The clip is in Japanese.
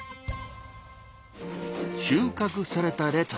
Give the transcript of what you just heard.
収穫されたレタス